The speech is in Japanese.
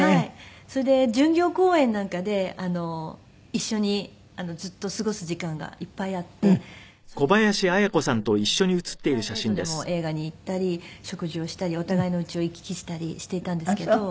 それで巡業公演なんかで一緒にずっと過ごす時間がいっぱいあってそれですごく仲良くなりましてプライベートでも映画に行ったり食事をしたりお互いの家を行き来したりしていたんですけど。